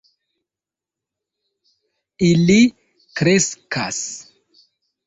Ili kreskas